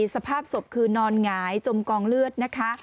สภาพศพคือนอนหงายจมกองเลือดนะคะ